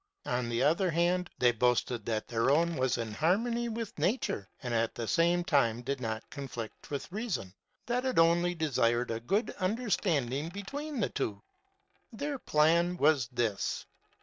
On the other hand, they boasted that their own was in harmony with Nature, and, at the same time, did not conflict with Reason; that it only de sired a good understanding between the two. Their plan was this.